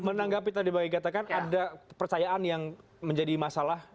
mas ilam menanggapi tadi bagi katakan ada percayaan yang menjadi masalah